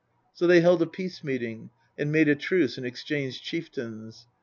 So they held a peace meeting, and made a truce and exchanged chieftains.